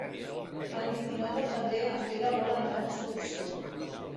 El vint-i-nou de febrer en Pere vol anar d'excursió.